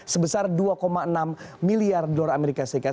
sebesar dua enam miliar dolar amerika serikat